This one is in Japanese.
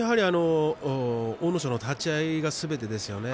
阿武咲の立ち合いがすべてですね。